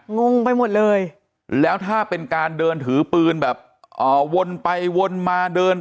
งงไปหมดเลยแล้วถ้าเป็นการเดินถือปืนแบบอ่าวนไปวนมาเดิน